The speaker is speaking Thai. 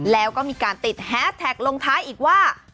แล้วก็มีการติดแฮสแท็กลงท้ายอีกว่า